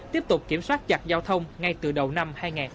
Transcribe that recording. tiếp tục kiểm soát chặt giao thông ngay từ đầu năm hai nghìn một mươi sáu